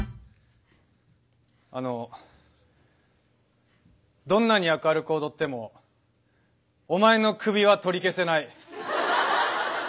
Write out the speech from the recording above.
あのどんなに明るく踊ってもお前のクビは取り消せない。